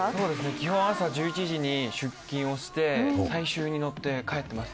基本は朝１１時に出勤をして最終に乗って帰ってました。